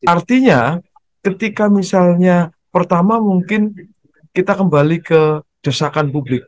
artinya ketika misalnya pertama mungkin kita kembali ke desakan publik